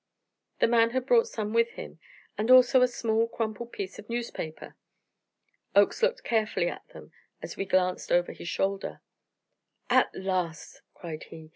The man had brought some with him, and also a small, crumpled piece of newspaper. Oakes looked carefully at them as we glanced over his shoulder. "At last!" cried he.